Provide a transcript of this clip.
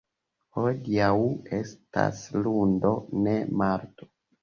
Hodiaŭ estas lundo, ne, mardo.